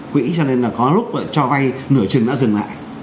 quỹ cho nên là có lúc cho vay nửa chừng đã dừng lại